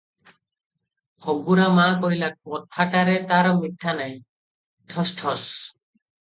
"ହଗୁରା ମା କହିଲା, କଥାଟାରେ ତାର ମିଠା ନାହିଁ, ଠୋସ୍ ଠୋସ୍ ।"